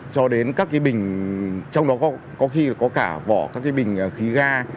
cho đến các cái bình trong đó có khi có cả vỏ các cái bình khí ga